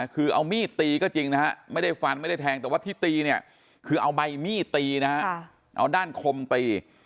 คือเอามีดตีก็จริงนะฮะไม่ได้ฟันไม่ได้แทงแต่ว่าที่ตีเนี่ยคือเอาใบมีดตีนะฮะเอาด้านคมตี